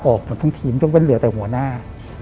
ออกหมดทั้งทีมยกเว้นเหลือแต่หัวหน้า